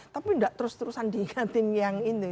tapi enggak terus terusan diikatin yang ini